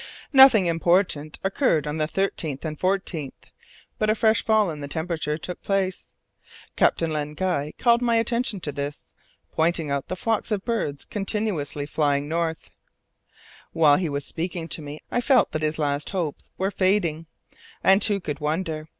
Nothing important occurred on the 13th and 14th, but a fresh fall in the temperature took place. Captain Len Guy called my attention to this, pointing out the flocks of birds continuously flying north. While he was speaking to me I felt that his last hopes were fading. And who could wonder?